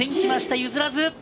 譲らず。